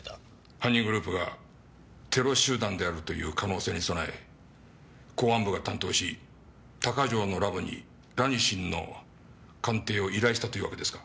犯人グループがテロ集団であるという可能性に備え公安部が担当し鷹城のラボにラニシンの鑑定を依頼したというわけですか？